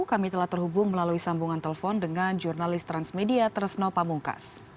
kami telah terhubung melalui sambungan telepon dengan jurnalis transmedia tresno pamungkas